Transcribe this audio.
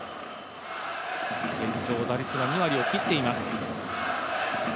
現状打率が２割を切っています。